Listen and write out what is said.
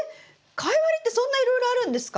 カイワレってそんないろいろあるんですか？